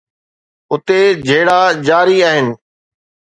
اتي جهيڙا جاري آهن